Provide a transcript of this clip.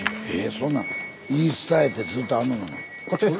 そんなん言い伝えてずっとあるもんなん？